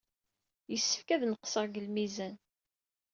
Yessefk ad neqseɣ deg lmizan.